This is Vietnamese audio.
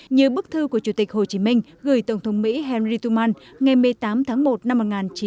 như bức thư của chủ tịch hồ chí minh gửi tổng thống mỹ henry truman ngày một mươi tám tháng một năm một nghìn chín trăm bốn mươi sáu